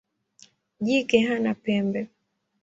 Jike hana pembe.